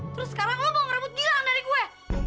terus sekarang lo mau ngerebut gilang dari gue